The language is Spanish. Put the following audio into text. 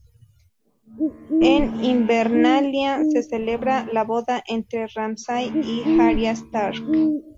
En Invernalia se celebra la boda entre Ramsay y "Arya Stark".